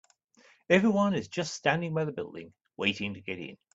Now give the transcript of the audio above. Everyone is just standing by the building, waiting to get in.